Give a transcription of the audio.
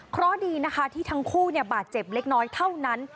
เพราะดีนะคะที่ทั้งคู่บาดเจ็บเล็กน้อยเท่านั้น